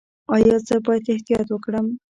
ایا زه باید احتیاط وکړم؟